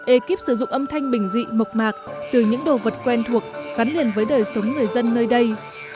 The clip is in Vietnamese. ekip sử dụng âm thanh bình dị mộc mạc từ những đồ vật quen thuộc gắn liền với đời sống người dân nơi đây